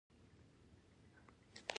هغه وتښتېد او ځان یې خلاص کړ.